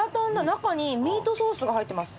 中にミートソースが入ってます。